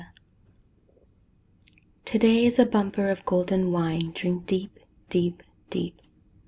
TO DAY To day is a bumper of golden wine, Drink deep, deep, deep!